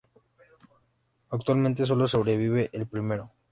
Actualmente, solo sobrevive el primero.